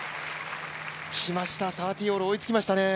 来ました、３０−３０追いつきましたね。